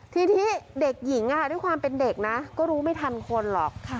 ทีนี้เด็กหญิงด้วยความเป็นเด็กนะก็รู้ไม่ทันคนหรอก